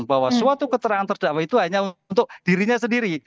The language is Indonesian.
bahwa suatu keterangan terdakwa itu hanya untuk dirinya sendiri